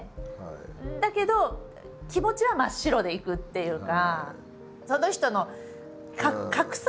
だけど気持ちは真っ白でいくっていうか。